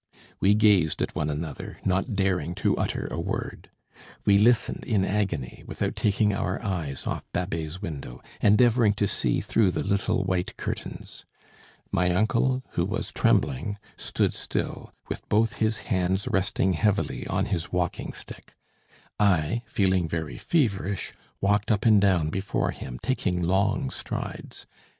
We gazed at one another, not daring to utter a word. We listened in agony, without taking our eyes off Babet's window, endeavouring to see through the little white curtains. My uncle, who was trembling, stood still, with both his hands resting heavily on his walking stick; I, feeling very feverish, walked up and down before him, taking long strides.